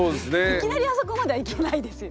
いきなりあそこまではいけないです。